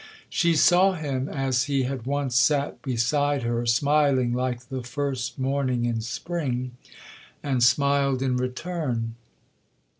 She saw him, as he had once sat beside her, smiling like the first morning in spring,—and smiled in return.